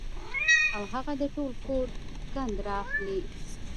او هغه د ټول کور ګند را اخلي